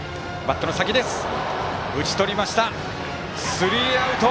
スリーアウト。